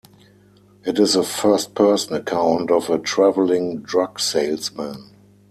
It is a first-person account of a travelling drug salesman.